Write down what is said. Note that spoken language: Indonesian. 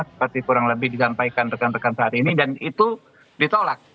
seperti kurang lebih disampaikan rekan rekan saat ini dan itu ditolak